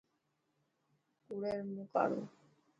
ڪوڙي رو مون ڪاڙو.